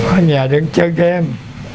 ở nhà đừng chơi game